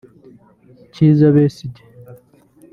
Kizza Besisgye